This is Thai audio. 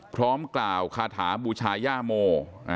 พร้อมกล่าวคาถาบูชาย่าโม